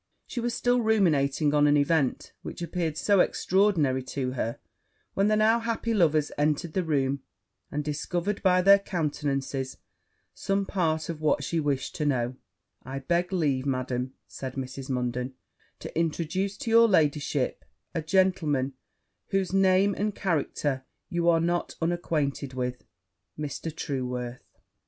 She was still ruminating on an event which appeared so extraordinary to her, when the now happy lovers entered the room, and discovered, by their countenances, some part of what she wished to know: 'I beg leave, Madam,' said Mrs. Munden, 'to introduce to your ladyship a gentleman whose name and character you are not unacquainted with, Mr. Trueworth.'